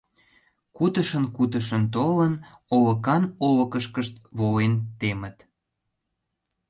Кутышын-кутышын толын, олыкан олыкышкышт волен темыт.